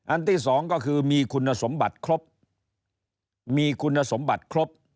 ที่สองก็คือมีคุณสมบัติครบมีคุณสมบัติครบ